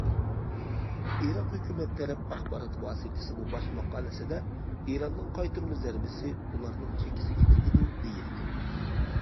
ئىران ھۆكۈمەت تەرەپ ئاخبارات ۋاسىتىسىمۇ باش ماقالىسىدە:‹‹ ئىراننىڭ قايتۇرما زەربىسى›› ئۇلارنىڭ چېكىسىگە تېگىدۇ، دېيىلدى.